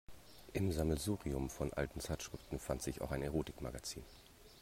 Im Sammelsurium von alten Zeitschriften fand sich auch ein Erotikmagazin.